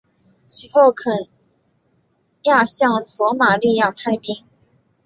其后肯亚向索马利亚派兵。